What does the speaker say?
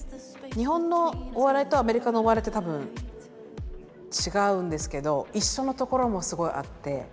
日本のお笑いとアメリカのお笑いって多分違うんですけど一緒のところもすごいあって。